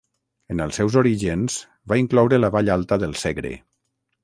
En els seus orígens, va incloure la vall alta del Segre.